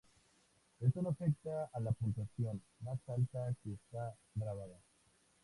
Esto no afecta a la puntuación más alta que está grabada.